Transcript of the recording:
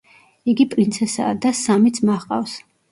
იგი პრინცესაა და სამი ძმა ჰყავს.